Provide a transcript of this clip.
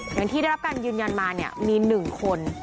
อย่างที่ได้รับการยืนยันมาเนี่ยมี๑คน